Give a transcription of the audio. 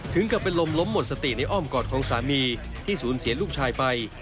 ถึงกับเป็นลมล้มหมดสติในอ้อมกอดของสามีที่สูญเสียลูกชายไป